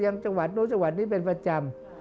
จังหวัดนู้นจังหวัดนี้เป็นประจำ